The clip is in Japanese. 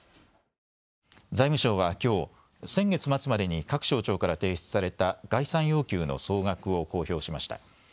財務省はきょう先月末までに各省庁から提出された概算要求の総額を公表しました。